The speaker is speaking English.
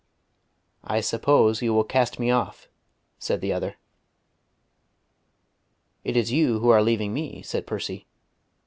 "I suppose you will cast me off," said the other. "It is you who are leaving me," said Percy.